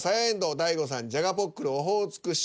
大悟さん「じゃがポックルオホーツク塩」。